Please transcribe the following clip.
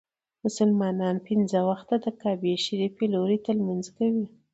مسلمانان پنځه وخته د کعبې شريفي لوري ته لمونځ کوي.